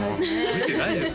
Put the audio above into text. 覚えてないです